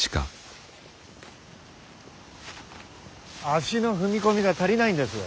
足の踏み込みが足りないんです。